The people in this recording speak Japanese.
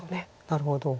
なるほど。